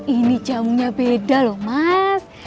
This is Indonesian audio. ini jauhnya beda loh mas